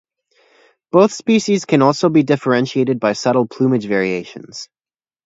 Both species can also be differentiated by subtle plumage variations.